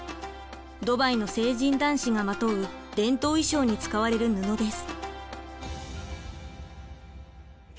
ドバイの成人男子がまとう伝統衣装に使われる布です。